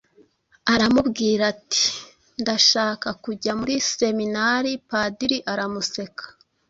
aramubwira ati "Ndashaka kujya muri Seminari." Padiri aramuseka.